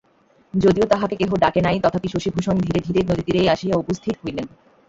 যদিও তাঁহাকে কেহ ডাকে নাই তথাপি শশিভূষণ ধীরে ধীরে নদীতীরে আসিয়া উপস্থিত হইলেন।